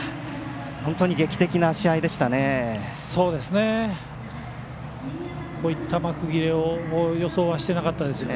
本当に劇的な試合でしたね。